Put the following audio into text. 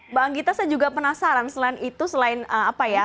mbak anggita saya juga penasaran selain itu selain apa ya